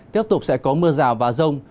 tiếp tục sẽ có mưa rào và rông